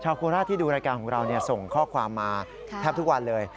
โคราชที่ดูรายการของเราส่งข้อความมาแทบทุกวันเลย